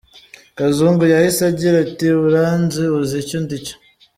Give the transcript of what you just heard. Kazungu yahise agira ati “Uranzi, uzi icyo ndicyo ?